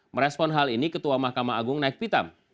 merespon hal ini ketua mahkamah agung naik pitam